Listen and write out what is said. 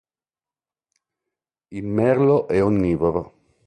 Il merlo è onnivoro.